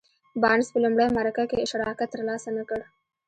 بارنس په لومړۍ مرکه کې شراکت تر لاسه نه کړ.